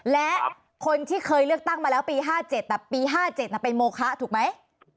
และคนที่เคยเลือกตั้งมาแล้วปี๕๗แต่ปี๕๗เป็นโมคะถูกไหม